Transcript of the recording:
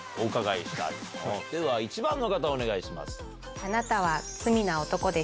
では１番の方お願いします。